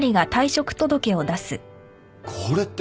これって。